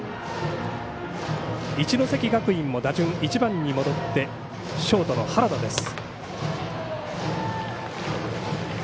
一関学院も打順１番に戻ってショートの原田です。